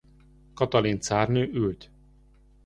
Katalin cárnő ült.